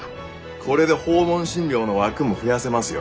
これで訪問診療の枠も増やせますよ。